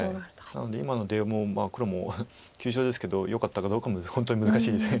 なので今の出も黒も急所ですけどよかったかどうかも本当に難しいです。